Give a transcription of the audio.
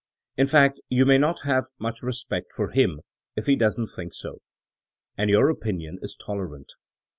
In fact you may not have much respect for him if he doesn't think so. And your opinion is tolerant.